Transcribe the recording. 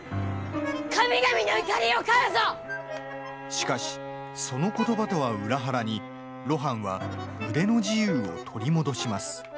しかし、そのことばとは裏腹に露伴は腕の自由を取り戻します。